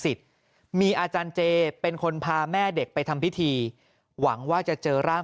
มีอาจารย์เจเป็นคนพาแม่เด็กไปทำพิธีหวังว่าจะเจอร่าง